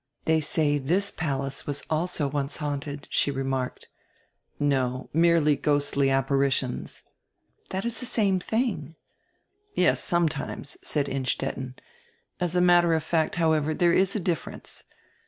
"They say this palace was also once haunted," she remarked. "No, merely ghostly apparitions." "That is tire same tiling." "Yes, sometimes," said Innstetten. "As a matter of fact, however, there is a difference.